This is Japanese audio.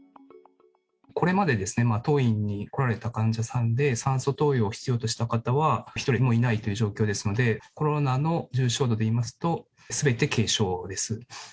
これまでですね、当院に来られた患者さんで、酸素投与を必要とした方は一人もいないという状況ですので、コロナの重症度で言いますと、すべて軽症です。